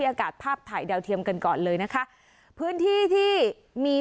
โดยการติดต่อไปก็จะเกิดขึ้นการติดต่อไป